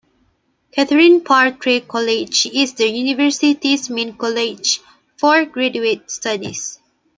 Catharine Parr Traill College is the University's main college for graduate studies.